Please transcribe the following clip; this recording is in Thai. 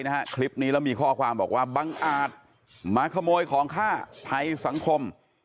นะฮะคลิปนี้แล้วมีข้อความบอกว่าบังอาจมาขโมยของฆ่าภัยสังคม